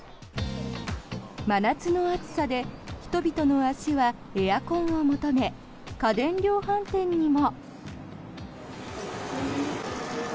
真夏の暑さで人々の足はエアコンを求め家電量販店にも。